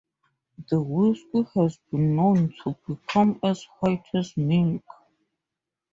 The whiskey has been known to become as white as milk.